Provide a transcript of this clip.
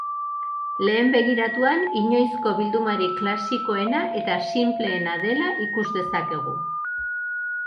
Lehen begiratuan, inoizko bildumarik klasikoena eta sinpleena dela ikus dezakegu.